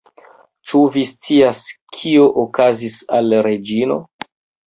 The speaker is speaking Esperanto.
Ĉu vi scias, kio okazis al Reĝino?